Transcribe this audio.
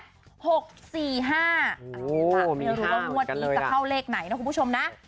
เอาล่ะไม่รู้ว่างวดนี้จะเข้าเลขไหนนะคุณผู้ชมนะ